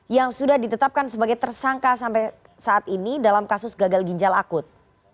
yang sudah ditetapkan sebagai tersangka sampai saat ini dalam kasus gagal ginjal akut